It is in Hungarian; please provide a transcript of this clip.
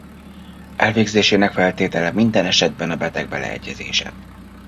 Elvégzésének feltétele minden esetben a beteg beleegyezése.